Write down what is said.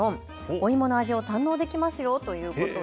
お芋の味を堪能できますよということで。